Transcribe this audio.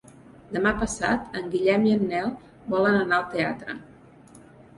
Demà passat en Guillem i en Nel volen anar al teatre.